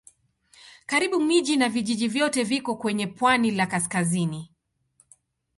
Karibu miji na vijiji vyote viko kwenye pwani la kaskazini.